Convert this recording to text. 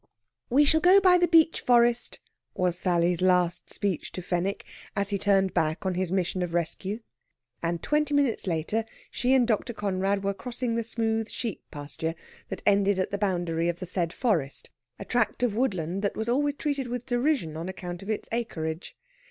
"We shall go by the beech forest," was Sally's last speech to Fenwick, as he turned back on his mission of rescue. And twenty minutes later she and Dr. Conrad were crossing the smooth sheep pasture that ended at the boundary of the said forest a tract of woodland that was always treated with derision on account of its acreage.